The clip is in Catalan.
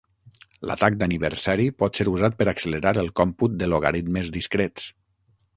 L'atac d'aniversari pot ser usat per accelerar el còmput de logaritmes discrets.